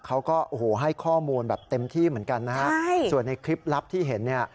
เขาก็โอ้โหให้ข้อมูลแบบเต็มที่เหมือนกันนะฮะใช่ส่วนในคลิปลับที่เห็นเนี่ย